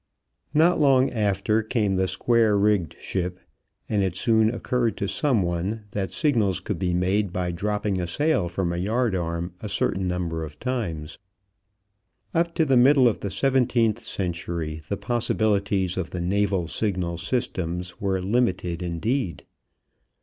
Not long after came the square rigged ship, and it soon occurred to some one that signals could be made by dropping a sail from the yard arm a certain number of times. Up to the middle of the seventeenth century the possibilities of the naval signal systems were limited indeed.